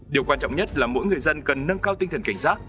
điều quan trọng nhất là mỗi người dân cần nâng cao tinh thần cảnh giác